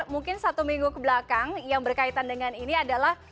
mungkin satu minggu kebelakang yang berkaitan dengan ini adalah